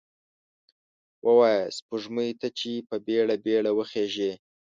ووایه سپوږمۍ ته، چې په بیړه، بیړه وخیژئ